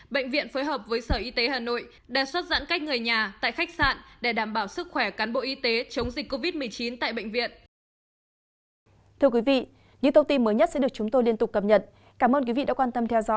bệnh viện phối hợp với sở y tế hà nội đề xuất giãn cách người nhà tại khách sạn để đảm bảo sức khỏe cán bộ y tế chống dịch covid một mươi chín tại bệnh viện